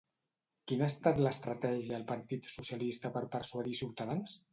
Quina ha estat l'estratègia el partit socialista per persuadir a Ciutadans?